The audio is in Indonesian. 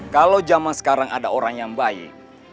kalau zaman sekarang ada orang yang baik